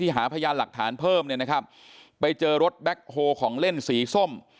ที่หาพยานหลักฐานเพิ่มไปเจอรถแบล็คโฮของเล่นสีส้ม